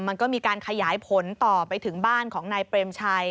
มันก็มีการขยายผลต่อไปถึงบ้านของนายเปรมชัย